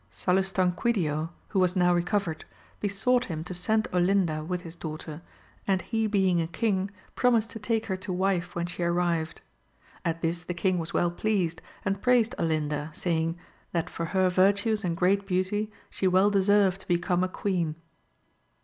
Salustanquidio who was now recovered, besought him to send Olinda with his daughter, and he being a king promised to take her to wife when she arrived : at this the king was well pleased, and praised Olinda, saying. That for her virtues and great beauty, she well deserved to become a queen.